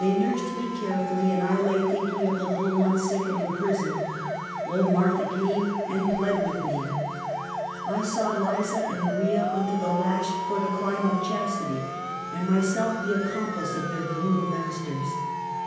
Tliey nursed me carefully, and I lay thinking of the "little ones sick and in prison." Old Martha came and plead with me. I sav/ Liza and Maria under the lash for the crime of chastity, and myself the accom plice of their brutal masters.